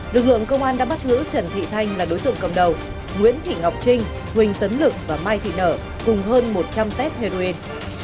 lực lượng công an đã bắt giữ trần thị thanh là đối tượng cầm đầu nguyễn thị ngọc trinh huỳnh tấn lực và mai thị nở cùng hơn một trăm linh test heroin